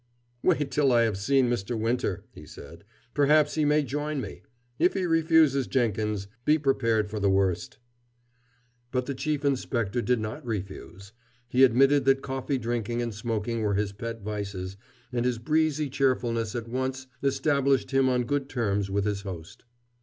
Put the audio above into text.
"Wait till I have seen Mr. Winter," he said. "Perhaps he may join me. If he refuses, Jenkins, be prepared for the worst." But the Chief Inspector did not refuse. He admitted that coffee drinking and smoking were his pet vices, and his breezy cheerfulness at once established him on good terms with his host.